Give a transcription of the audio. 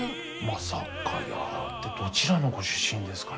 「まさかやー」ってどちらのご出身ですかね。